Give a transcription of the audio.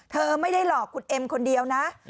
เธอไม่ได้หลอกคุณเอ็มคนเดียวนะ